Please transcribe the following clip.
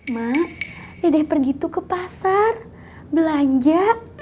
mak yaudah pergi tuh ke pasar belanja